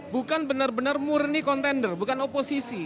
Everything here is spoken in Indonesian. bukan benar benar murni kontender bukan oposisi